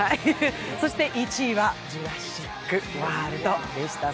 そして１位は「ジュラシック・ワールド」でした。